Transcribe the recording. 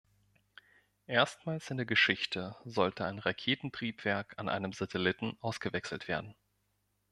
Erstmals in der Geschichte sollte ein Raketentriebwerk an einem Satelliten ausgewechselt werden.